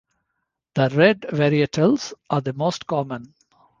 The red varietals are the most common.